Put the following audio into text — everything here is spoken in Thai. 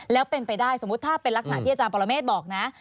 แล้วเป็นไปได้สมมุติถ้าเป็นลักษณะที่อาจารย์ปรเมฆบอกนะ